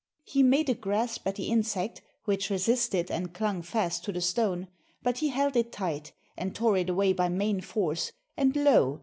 He made a grasp at the insect, which resisted and clung fast to the stone; but he held it tight, and tore it away by main force, and lo!